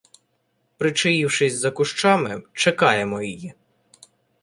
Причаївшись за кущами, чекаємо її.